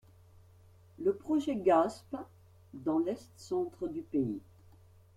Le projet Gaspe dans l'est-centre du pays.